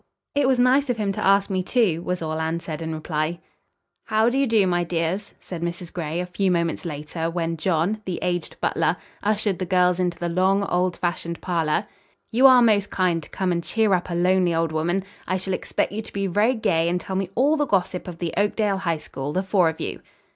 "It was nice of him to ask me, too," was all Anne said in reply. "How do you do, my dears?" said Mrs. Gray, a few moments later, when John, the aged butler, ushered the girls into the long, old fashioned parlor. "You are most kind to come and cheer up a lonely old woman. I shall expect you to be very gay and tell me all the gossip of the Oakdale High School, the four of you."